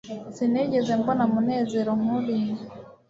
sinigeze mbona munezero nkuriya